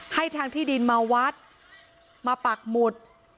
ให้ทางที่ดินมาวัดมาปักหมุด